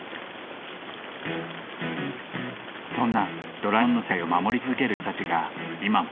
そんな『ドラえもん』の世界を守り続ける人たちが今も。